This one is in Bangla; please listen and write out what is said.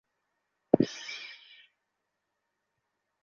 সরাসরি ভারতের কোনো বন্দর থেকে চট্টগ্রাম কিংবা মংলা বন্দরে আসে না।